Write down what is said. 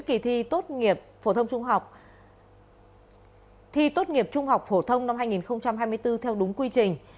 kỳ thi tốt nghiệp trung học phổ thông năm hai nghìn hai mươi bốn theo đúng quy trình